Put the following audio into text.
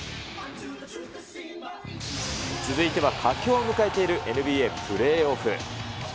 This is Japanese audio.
続いては、佳境を迎えているＮＢＡプレーオフ。